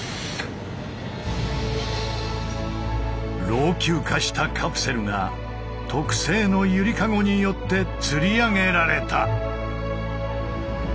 老朽化したカプセルが特製の「ゆりかご」によって吊り上げられた。